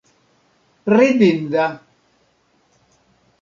ridinda